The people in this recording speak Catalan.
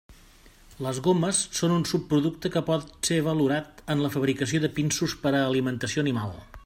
Les gomes són un subproducte que pot ser valorat en la fabricació de pinsos per a alimentació animal.